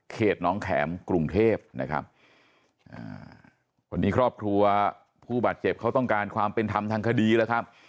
น้องแข็มกรุงเทพนะครับวันนี้ครอบครัวผู้บาดเจ็บเขาต้องการความเป็นธรรมทางคดีแล้วครับ